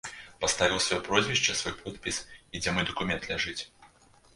Паставіў сваё прозвішча, свой подпіс і дзе мой дакумент ляжыць.